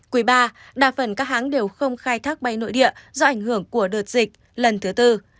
quý ba đa phần các hãng đều không khai thác bay nội địa do ảnh hưởng của đợt dịch lần thứ tư